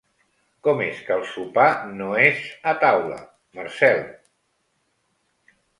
Com és que el sopar no és a taula, Marcel?